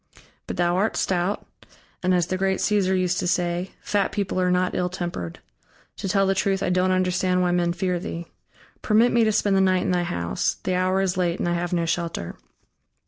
But thou art stout, and, as the great Cæsar used to say, fat people are not ill tempered; to tell the truth, I don't understand why men fear thee. Permit me to spend the night in thy house; the hour is late, and I have no shelter."